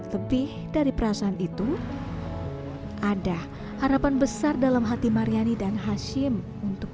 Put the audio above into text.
lebih dari perasaan itu ada harapan besar dalam hati mariani dan hashim untuk